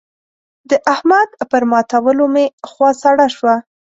د احمد پر ماتولو مې خوا سړه شوه.